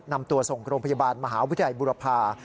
นำตัวส่งโรงพยาบาลมหาวิทยาลัยบุรพา